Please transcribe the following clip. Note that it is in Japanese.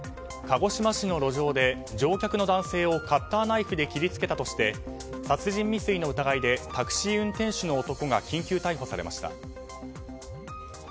鹿児島市の路上で乗客の男性をカッターナイフで切り付けたとして殺人未遂の疑いでタクシー運転手の男が緊急逮捕されました。